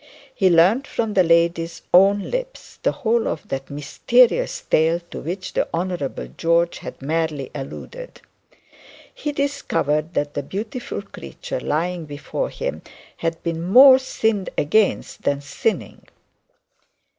He learnt from the lady's own lips the whole of that mysterious tale to which the Honourable George had merely alluded. He discovered that the beautiful creature lying before him had been more sinned against than sinning.